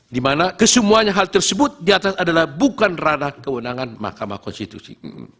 di mana kesemuanya hal tersebut di atas adalah bukan ranah kewenangan mahkamah konstitusi